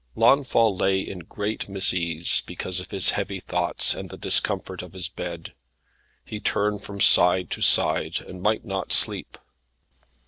Launfal lay in great misease, because of his heavy thoughts, and the discomfort of his bed. He turned from side to side, and might not sleep.